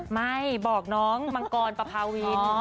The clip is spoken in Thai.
ไม่บอกน้องมังกรปภาวิน